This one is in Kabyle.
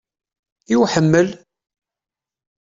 I uḥemmel?